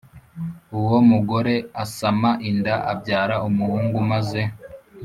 Uwo mugore asama inda abyara umuhungu maze